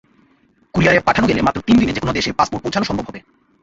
কুরিয়ারে পাঠানো গেলে মাত্র তিন দিনে যেকোনো দেশে পাসপোর্ট পৌঁছানো সম্ভব হবে।